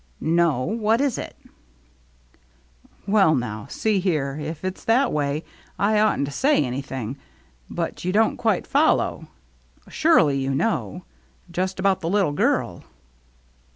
"No. What is it?" "Well now, see here, if it's that way, I oughtn't to say anything. But you don't quite follow. Surely, you know. Just about the little girl."